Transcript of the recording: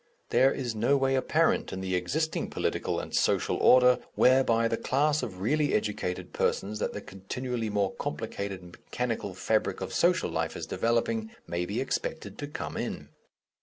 There is no way apparent in the existing political and social order, whereby the class of really educated persons that the continually more complicated mechanical fabric of social life is developing may be expected to come in.